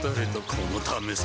このためさ